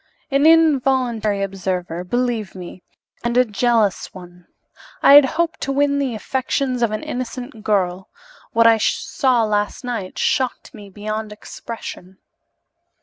"An involuntary observer, believe me and a jealous one. I had hoped to win the affections of an innocent girl. What I saw last night shocked me beyond expression."